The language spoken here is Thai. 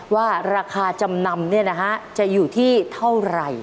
ว่าราคาจำนำเนี่ยนะฮะจะอยู่ที่เท่าไร